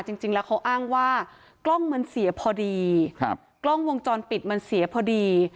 จริงแล้วเขาอ้างว่ากล้องมันเสียพอดีครับกล้องวงจรปิดมันเสียพอดี